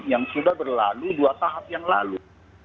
yang sudah berlalu dua tahap yang lalu